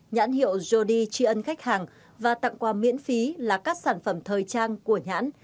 nhãn hiệu jodi tri ân khách hàng và tặng quà miễn phí là các sản phẩm thời trang của nhãn